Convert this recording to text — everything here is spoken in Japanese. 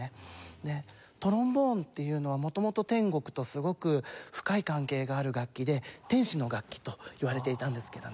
でトロンボーンっていうのは元々天国とすごく深い関係がある楽器で「天使の楽器」といわれていたんですけどね。